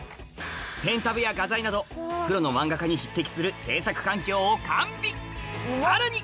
ペンタブや画材などプロのマンガ家に匹敵する制作環境を完備さらに！